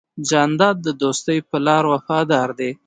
جانداد د دوستی په لار وفادار دی.